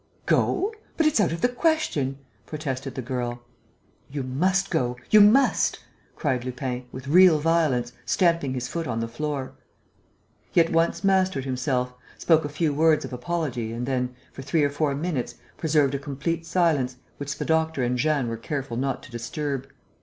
"Go? But it's out of the question!" protested the girl. "You must go, you must!" cried Lupin, with real violence, stamping his foot on the floor. He at once mastered himself, spoke a few words of apology and then, for three or four minutes, preserved a complete silence, which the doctor and Jeanne were careful not to disturb.